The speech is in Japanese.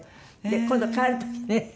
今度帰る時ね